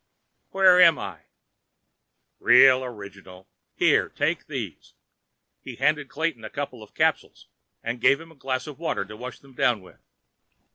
"Where am I?" "Real original. Here, take these." He handed Clayton a couple of capsules, and gave him a glass of water to wash them down with.